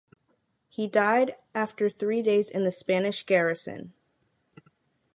He died after three days in the Spanish garrison.